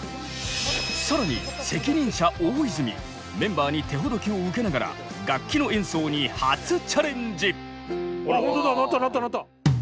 更に責任者・大泉メンバーに手ほどきを受けながら楽器の演奏に初チャレンジ！